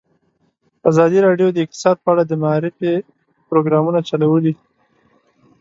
ازادي راډیو د اقتصاد په اړه د معارفې پروګرامونه چلولي.